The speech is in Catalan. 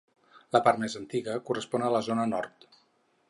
La part més antiga correspon a la zona nord.